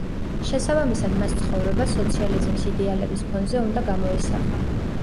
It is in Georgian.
შესაბამისად, მას ცხოვრება სოციალიზმის იდეალების ფონზე უნდა გამოესახა.